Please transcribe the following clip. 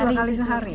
itu dua kali sehari